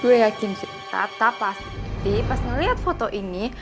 gua yakin sih tata pasti pas ngeliat foto ini